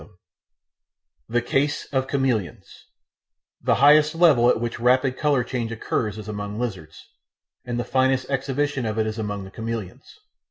] The Case of Chameleons The highest level at which rapid colour change occurs is among lizards, and the finest exhibition of it is among the chameleons.